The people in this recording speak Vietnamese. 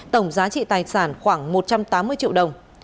tổng giá trị tài sản khoảng một trăm tám mươi triệu đồng